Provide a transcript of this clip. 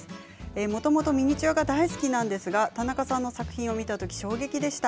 もともとミニチュアが大好きなんですが田中さんの作品を見たとき衝撃でした。